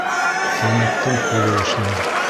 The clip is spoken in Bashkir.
Тыйнаҡтың ҡулы эшләр